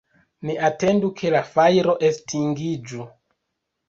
Ni atendu ke la fajro estingiĝu.